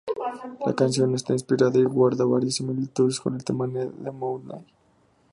La canción está inspirada y guarda varias similitudes con el tema Need de Mudhoney.